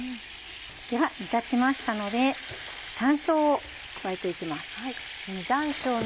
では煮立ちましたので山椒を加えて行きます。